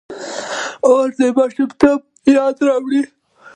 اوړه د ماشومتوب یاد راوړي